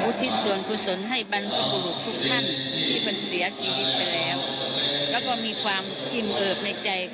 อุทิศส่วนกุศลให้บรรพบุรุษทุกท่านที่มันเสียชีวิตไปแล้วแล้วก็มีความอิ่มเอิบในใจค่ะ